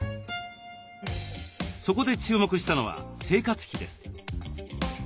そこで注目したのは生活費です。